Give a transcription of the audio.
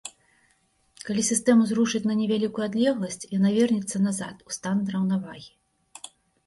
Калі сістэму зрушыць на невялікую адлегласць, яна вернецца назад у стан раўнавагі.